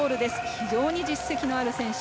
非常に実績のある選手。